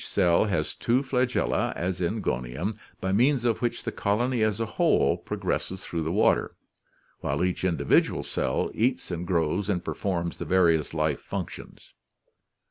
])"^^£*<* ceii has two Aagella, as in Gonium, by means of which the colony as a whole progresses through the water, while each individual cell eats and grows and performs the various life functions.